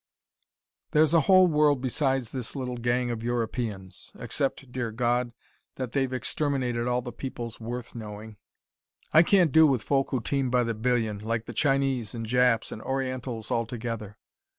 "There's a whole world besides this little gang of Europeans. Except, dear God, that they've exterminated all the peoples worth knowing. I can't do with folk who teem by the billion, like the Chinese and Japs and orientals altogether.